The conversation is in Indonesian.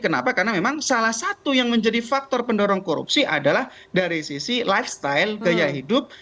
kenapa karena memang salah satu yang menjadi faktor pendorong korupsi adalah dari sisi lifestyle gaya hidup